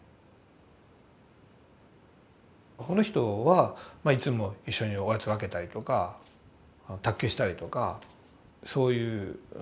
その人はいつも一緒におやつ分けたりとか卓球したりとかそういう人で。